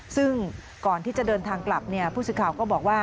ซึ่งก่อนที่จะเดินทางกลับผู้สื่อข่าวก็บอกว่า